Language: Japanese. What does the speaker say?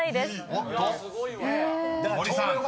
［おっと⁉森さん］